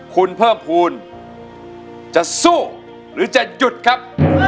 คุณเพิ่มภูมิจะสู้หรือจะหยุดครับ